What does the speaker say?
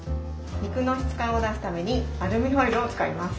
肉の質感を出すためにアルミホイルを使います。